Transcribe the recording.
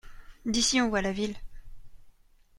D’ici on voit la ville.